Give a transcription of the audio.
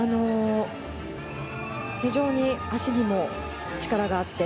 非常に脚にも力があって。